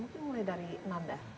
mungkin mulai dari nanda